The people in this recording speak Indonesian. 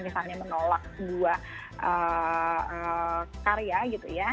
misalnya menolak sebuah karya gitu ya